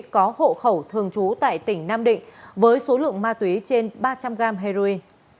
có hộ khẩu thường trú tại tỉnh nam định với số lượng ma túy trên ba trăm linh gram heroin